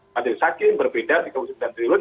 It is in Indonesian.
majelis hakim berbeda tiga puluh sembilan triliun